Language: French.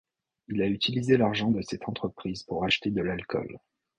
Il a utilisé l'argent de cette entreprise pour acheter de l'alcool.